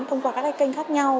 thông qua các kênh khác nhau